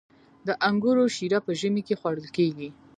د انګورو شیره په ژمي کې خوړل کیږي.